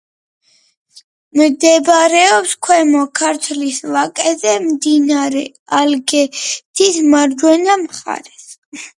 მდებარეობს ქვემო ქართლის ვაკეზე, მდინარე ალგეთის მარჯვენა მხარეს.